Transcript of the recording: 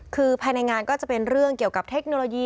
คือภายในงานก็จะเป็นเรื่องเกี่ยวกับเทคโนโลยี